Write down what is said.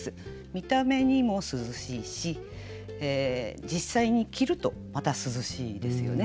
見た目にも涼しいし実際に着るとまた涼しいですよね。